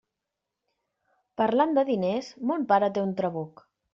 Parlant de diners, mon pare té un trabuc.